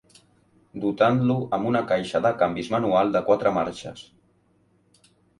Dotant-lo amb una caixa de canvis manual de quatre marxes.